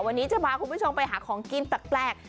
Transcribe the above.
วันนี้จะพาคุณผู้ชมไปหาของกินแปลก